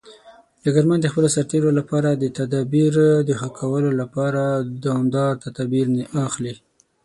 ډګرمن د خپلو سرتیرو لپاره د تدابیر د ښه کولو لپاره دوامداره تدابیر اخلي.